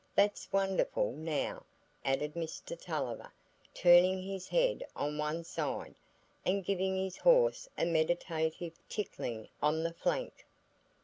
That's wonderful, now," added Mr Tulliver, turning his head on one side, and giving his horse a meditative tickling on the flank.